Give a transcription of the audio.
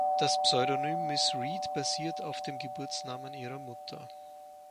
Das Pseudonym „Miss Read“ basiert auf dem Geburtsnamen ihrer Mutter.